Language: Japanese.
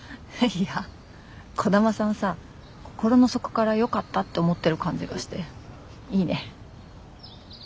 いや兒玉さんさ心の底からよかったって思ってる感じがしていいね。